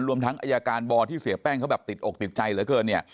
รวมทั้งอายการบอที่เสียแป้งเขาแบบติดอกติดใจเหลือเกินเนี่ย